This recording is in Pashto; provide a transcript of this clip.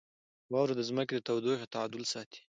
• واوره د ځمکې د تودوخې تعادل ساتي.